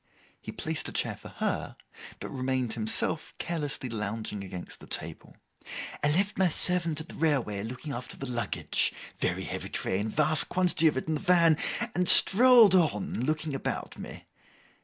He placed a chair for her, but remained himself carelessly lounging against the table. 'I left my servant at the railway looking after the luggage—very heavy train and vast quantity of it in the van—and strolled on, looking about me.